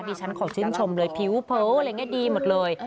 ดิฉันขอชื่นชมเลยผิวเผาอะไรง่ายดีหมดเลย